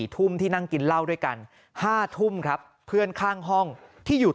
ทุ่มที่นั่งกินเหล้าด้วยกัน๕ทุ่มครับเพื่อนข้างห้องที่อยู่